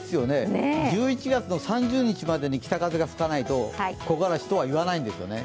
１１月３０日までに北風が吹かないと木枯らしとはいわないんですよね。